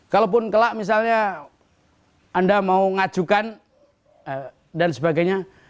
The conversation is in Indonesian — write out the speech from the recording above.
kalaupun kelak misalnya anda mau ngajukan dan sebagainya